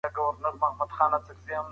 فشار د ستړیا احساس ژوروي.